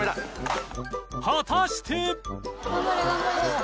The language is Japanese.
果たして！？